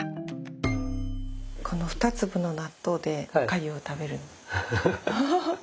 この２粒の納豆でおかゆを食べる。